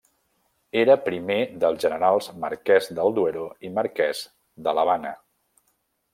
Era primer dels Generals Marquès del Duero i Marquès de l'Havana.